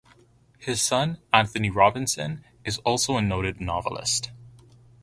His son, Anthony Robinson, is also a noted novelist.